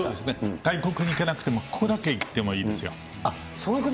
外国に行けなくても、ここだけ行ってもいいですよ。